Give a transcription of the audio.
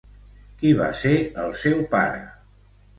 Qui va ser el seu pare?